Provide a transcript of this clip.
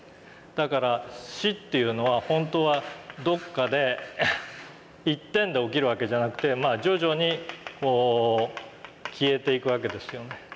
だから「死」っていうのは本当はどっかで一点で起きるわけじゃなくてまあ徐々にこう消えていくわけですよね。